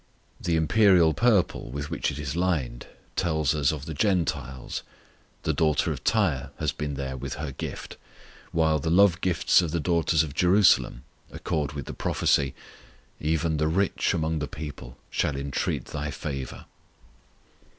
The imperial purple with which it is lined tells us of the Gentiles the daughter of Tyre has been there with her gift; while the love gifts of the daughters of Jerusalem accord with the prophecy, "Even the rich among the people shall intreat thy favour."